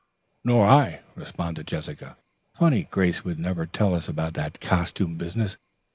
"Nor I," responded Jessica. "Funny Grace would never tell us about that costume business.